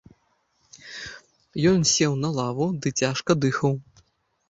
Ён сеў на лаву ды цяжка дыхаў.